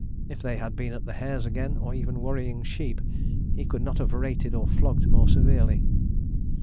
If they had been at the hares again, or even worrying sheep, he could not have rated or flogged more severely.